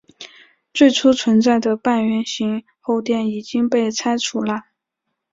最初存在的半圆形后殿已经被拆除了。